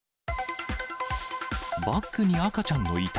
バッグに赤ちゃんの遺体。